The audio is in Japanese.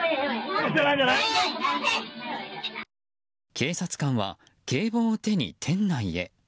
警察官は警棒を手に店内へ。